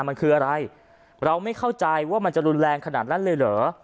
มันคืออะไรเราไม่เข้าใจว่ามันจะรุนแรงขนาดนั้นเลยเหรอ